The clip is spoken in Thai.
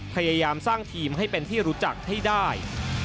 พยายามสร้างทีมให้เป็นที่รู้จักให้ได้